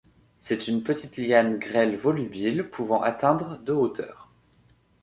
C'est une petite liane grêle volubile pouvant atteindre de hauteur.